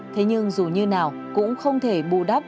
thế nhưng dù như nào cũng không thể bù đắp